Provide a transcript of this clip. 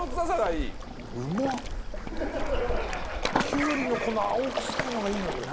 きゅうりのこの青臭いのがいいのよこれ。